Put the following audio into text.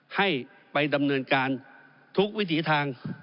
ให้ไปดำเนินการทุกวิถีทาง